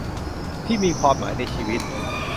ที่มีความหมายในชีวิต